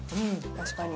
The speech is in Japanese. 確かに。